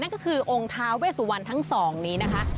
ก็คือองค์ท้าเวสุวรรณทั้งสองนี้นะคะ